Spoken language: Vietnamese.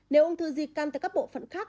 nếu ung thư di căn từ các bộ phận khác